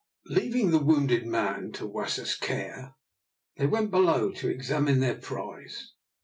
Leaving the wounded man to Wasser's care, they went below to examine their prize.